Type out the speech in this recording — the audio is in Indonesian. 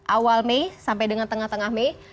awal mei sampai dengan tengah tengah mei